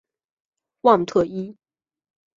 旺特伊。